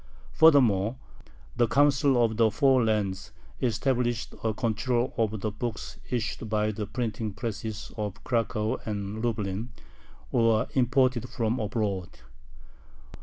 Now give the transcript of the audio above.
Furthermore, the Council of the Four Lands established a control over the books issued by the printing presses of Cracow and Lublin, or imported from abroad.